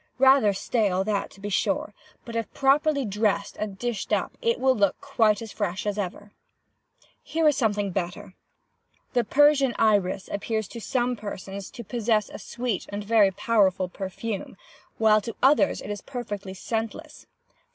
Rather stale that, to be sure, but, if properly dressed and dished up, will look quite as fresh as ever. "Here is something better. 'The Persian Iris appears to some persons to possess a sweet and very powerful perfume, while to others it is perfectly scentless.